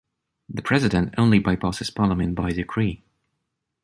The president only bypasses parliament by decree.